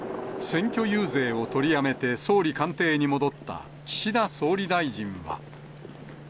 選挙遊説を取りやめて総理官邸に戻った岸田総理大臣は。